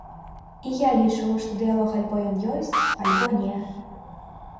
І я лічу, што дыялог альбо ён ёсць, альбо не.